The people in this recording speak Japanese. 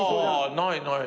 ないない。